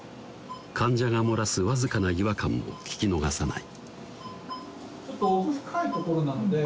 患者が漏らすわずかな違和感も聞き逃さない